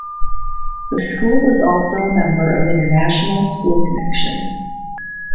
The school is also a member of International School Connection.